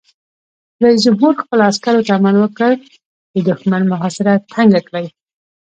رئیس جمهور خپلو عسکرو ته امر وکړ؛ د دښمن محاصره تنګه کړئ!